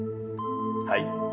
はい。